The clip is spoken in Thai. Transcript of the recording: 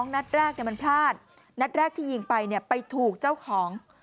นัดแรกมันพลาดนัดแรกที่ยิงไปไปถูกเจ้าของ